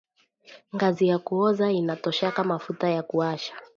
Ngazi ya kuoza ina toshaka mafuta ya kuwasha